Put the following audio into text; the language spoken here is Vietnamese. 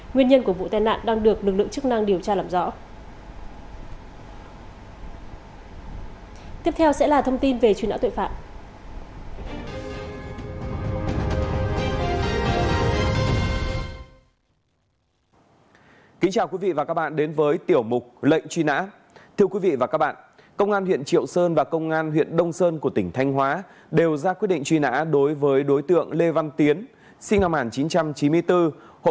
nguyên nhân của vụ tai nạn đang được lực lượng chức năng điều tra làm rõ